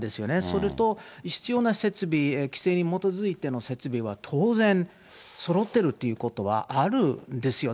それと、必要な設備、規制に基づいての設備は当然、そろってるということはあるんですよ。